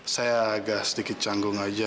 saya agak sedikit canggung aja